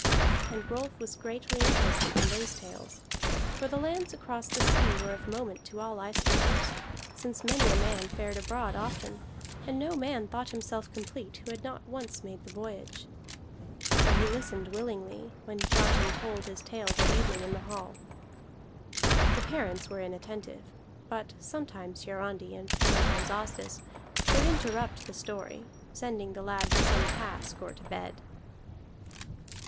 And Rolf was greatly interested in those tales; for the lands across the sea were of moment to all Icelanders, since many a man fared abroad often, and no man thought himself complete who had not once made the voyage. So he listened willingly, when Kiartan told his tales at evening in the hall. The parents were inattentive; but sometimes Hiarandi, and sometimes Asdis, would interrupt the story, sending the lad to some task or to bed.